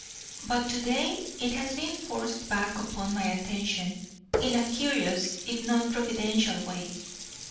"But to day it has been forced back upon my attention in a curious if not providential way.